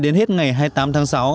đến hết ngày hai mươi tám tháng sáu